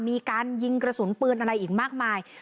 มีการยิงกระสุนปืนอะไรอีกมากมาย